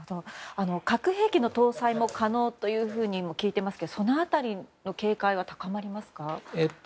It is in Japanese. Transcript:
核兵器の搭載も可能と聞いていますけどその辺りの警戒は高まりますか？